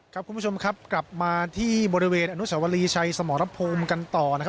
คุณผู้ชมครับกลับมาที่บริเวณอนุสวรีชัยสมรภูมิกันต่อนะครับ